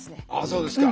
そうですか。